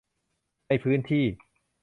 ในพื้นที่